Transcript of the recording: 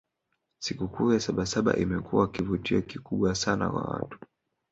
sikukuu ya sabasaba imekuwa kivutio kikubwa sana kwa watu